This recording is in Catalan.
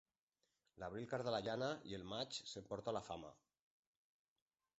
L'abril carda la llana i el maig s'emporta la fama.